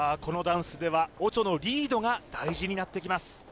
このダンスではオチョのリードが大事になってきます